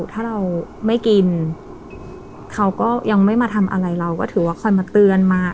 ถ้าเราไม่กินเขาก็ยังไม่มาทำอะไรเราก็ถือว่าคอยมาเตือนมา